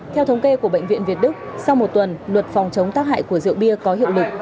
theo thống kê của bệnh viện việt đức sau một tuần luật phòng chống tác hại của rượu bia có hiệu lực